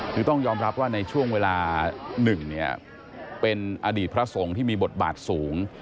คือต้องยอมรับว่าในช่วงเวลา๑เนี่ยเป็นอดีตพระสงฆ์ที่มีบทบาทสูง